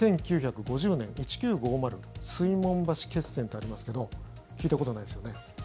「１９５０水門橋決戦」とありますけど聞いたことないですよね。